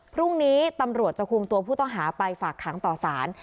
พรุ่งนี้ตำรวจจะคุมตัวผู้ต้องหาไปฝากขังต่อสาร